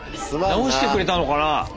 直してくれたのかな？